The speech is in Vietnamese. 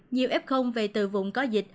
nhiều f về từ vùng có dịch